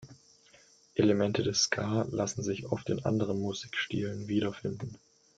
Elemente des Ska lassen sich oft in anderen Musikstilen wiederfinden.